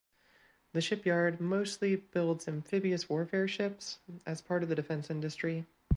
The shipyard mostly builds amphibious warfare ships as part of the defense industry.